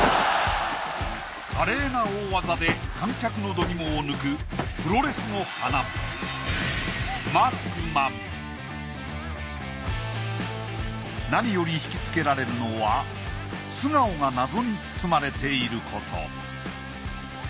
華麗な大技で観客の度肝を抜くプロレスの華何より惹きつけられるのは素顔が謎に包まれていること。